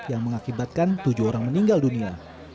yang mengakibatkan tujuh orang meninggal dunia